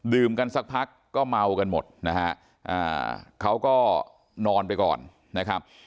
กันสักพักก็เมากันหมดนะฮะเขาก็นอนไปก่อนนะครับ